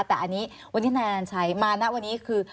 แต่วันนี้ทนายอันดันชัยมานะวันนี้คือ